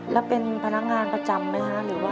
แล้วเป็นพนักงานประจำไหมคะหรือว่า